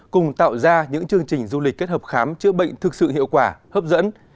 cùng tạo ra những chương trình du lịch kết hợp khám chữa bệnh thực sự hiệu quả hấp dẫn